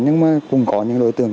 nhưng cũng có những đối tượng